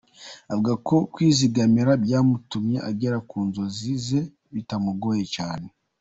Avuga ko kwizigamira byatumye agera ku nzozi ze bitamugoye cyane.